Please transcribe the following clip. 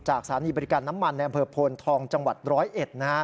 สถานีบริการน้ำมันในอำเภอโพนทองจังหวัดร้อยเอ็ด